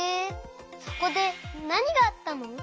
そこでなにがあったの？